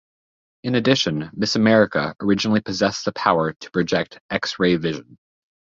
In addition, Miss America originally possessed the power to project "X-Ray Vision".